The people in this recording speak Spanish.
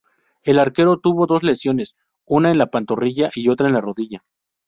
El arquero tuvo dos lesiones, una en la pantorrilla y otra en la rodilla.